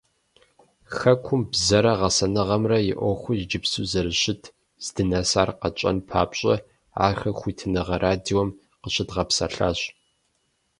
Хэкум бзэмрэ гъэсэныгъэмрэ и Ӏуэхур иджыпсту зэрыщыт, здынэсар къэтщӀэн папщӏэ ахэр Хуитыныгъэ радиом къыщыдгъэпсэлъащ.